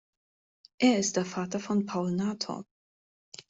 Er ist der Vater von Paul Natorp.